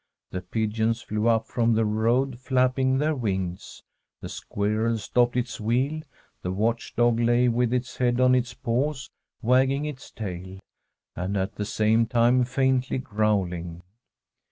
The pigeons flew up from the road flap ping their wings ; the squirrel stopped its wheel ; the watch dog lay with its head on its paws, wag ging its tail, and at the same time faintly growl ing.